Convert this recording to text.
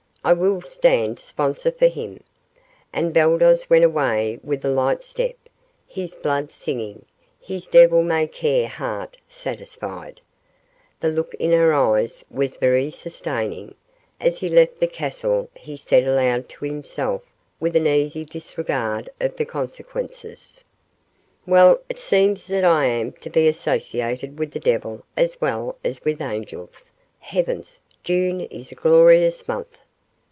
I will stand sponsor for him." And Baldos went away with a light step, his blood singing, his devil may care heart satisfied. The look in her eyes was very sustaining. As he left the castle he said aloud to himself with an easy disregard of the consequences: "Well, it seems that I am to be associated with the devil as well as with angels. Heavens! June is a glorious month."